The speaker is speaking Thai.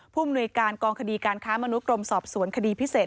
มนุยการกองคดีการค้ามนุษยกรมสอบสวนคดีพิเศษ